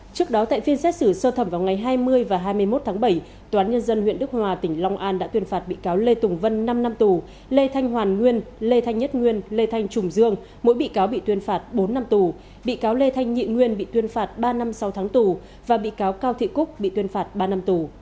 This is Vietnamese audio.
trước đó tại phiên xét xử sơ thẩm vào ngày hai mươi và hai mươi một tháng bảy tòa án nhân dân huyện đức hòa tỉnh long an đã tuyên phạt bị cáo lê tùng vân năm năm tù lê thanh hoàn nguyên lê thanh nhất nguyên lê thanh trùng dương mỗi bị cáo bị tuyên phạt bốn năm tù bị cáo lê thanh nhị nguyên bị tuyên phạt ba năm sau tháng tù và bị cáo cao thị cúc bị tuyên phạt ba năm tù